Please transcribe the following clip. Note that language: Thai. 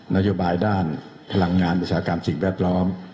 นโยบายด้านพลังงานอุตสาหกรรมสิ่งแวดล้อม